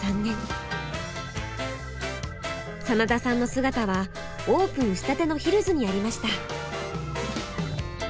真田さんの姿はオープンしたてのヒルズにありました。